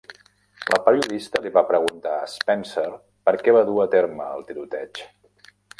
La periodista li va preguntar a Spencer per què va dur a terme el tiroteig.